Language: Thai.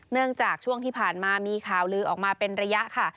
เนื่องจากช่วงที่ผ่านมามีข่าวลือออกมาเป็นระยะค่ะ